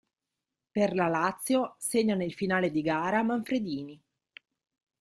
Per la Lazio segna nel finale di gara Manfredini.